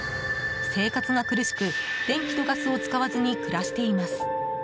生活が苦しく、電気とガスを使わずに暮らしています。